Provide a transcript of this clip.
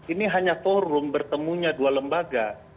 ini hanya forum bertemunya dua lembaga